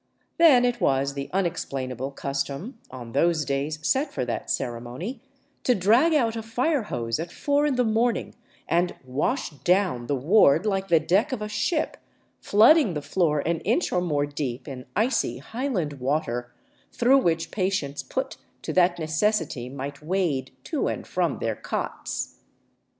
Then it was the unexplainable custom, on those days set for that ceremony, to drag out a fire hose at four in the morning and " wash down " the ward like the deck of a ship, flooding the floor an inch or more deep in icy highland water, through which patients put to that necessity might wade to and from their cots.